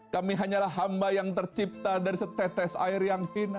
kami hanyalah hamba yang tercipta dari setetes air yang hina